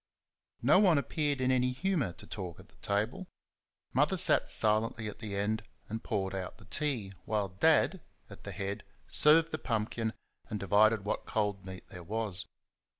No one appeared in any humour to talk at the table. Mother sat silently at the end and poured out the tea while Dad, at the head, served the pumpkin and divided what cold meat there was.